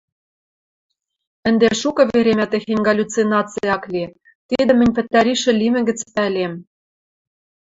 Ӹнде шукы веремӓ техень галлюцинаци ак ли, тидӹм мӹнь пӹтӓришӹ лимӹ гӹц пӓлем.